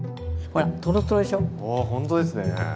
あほんとですね。